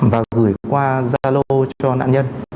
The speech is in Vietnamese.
và gửi qua zalo cho nạn nhân